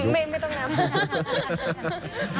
ไม่ต้องค่อยพูด